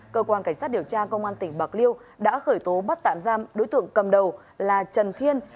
cơ quan cảnh sát điều tra công an tỉnh bạc liêu đã khởi tố bắt tạm giam đối tượng cầm đầu là trần thiên